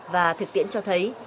và thực tiễn cho thấy